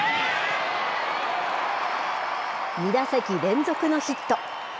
２打席連続のヒット。